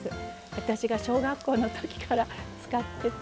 私が小学校の時から使ってた。